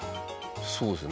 そうですね。